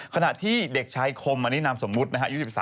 ขณะที่เด็กชายคมอันนี้นามสมมุติยูที่๑๓ปี